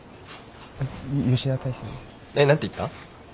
えっ何て言った？